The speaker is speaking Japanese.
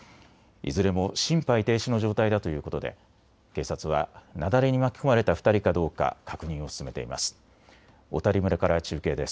いずれも心肺停止の状態だということで警察は雪崩に巻き込まれた２人かどうか確認を進めています。